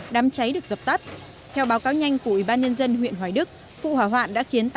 đám cháy được dập tắt theo báo cáo nhanh của ủy ban nhân dân huyện hoài đức vụ hỏa hoạn đã khiến